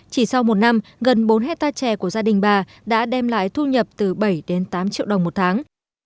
chỉ sau một năm gần bốn hectare trè của gia đình bà đã đem lại thu nhập từ bảy đến tám triệu đồng một tháng